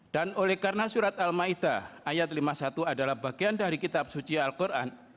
dan oleh karena surat al ma'idah lima puluh satu adalah bagian dari kitab suci al quran